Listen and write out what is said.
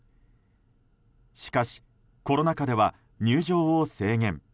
しかし、コロナ禍では入場を制限。